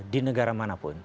di negara manapun